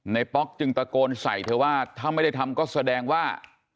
ป๊อกจึงตะโกนใส่เธอว่าถ้าไม่ได้ทำก็แสดงว่า